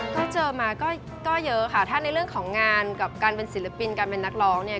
ก็เจอมาก็เยอะค่ะถ้าในเรื่องของงานกับการเป็นศิลปินการเป็นนักร้องเนี่ย